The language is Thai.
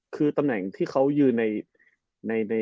คือตำแห่งเขายืนใน